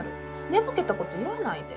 寝ぼけたこと言わないで。